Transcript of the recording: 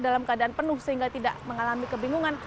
dalam keadaan penuh sehingga tidak mengalami kebingungan